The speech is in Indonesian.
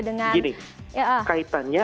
dengan gini kaitannya